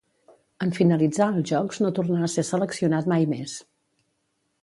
En finalitzar els Jocs no tornà a ser seleccionat mai més.